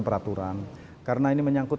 peraturan karena ini menyangkut